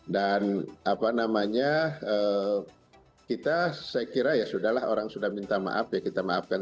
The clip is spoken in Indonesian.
dan apa namanya kita saya kira ya sudah lah orang sudah minta maaf ya kita maafkan